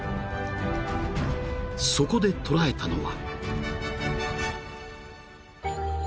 ［そこで捉えたのは］